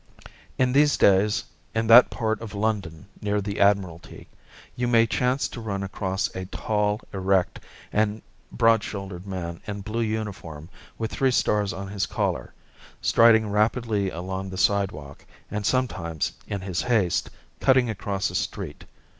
In these days, in that part of London near the Admiralty, you may chance to run across a tall, erect, and broad shouldered man in blue uniform with three stars on his collar, striding rapidly along the sidewalk, and sometimes, in his haste, cutting across a street.